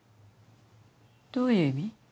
どういう意味？